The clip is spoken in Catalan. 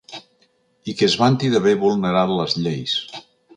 I que es vanti d’haver vulnerat les lleis.